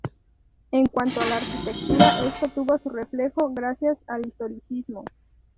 En cuanto a la arquitectura esto tuvo su reflejo gracias al historicismo.